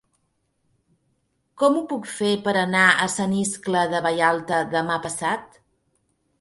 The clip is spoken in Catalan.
Com ho puc fer per anar a Sant Iscle de Vallalta demà passat?